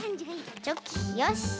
チョキよし。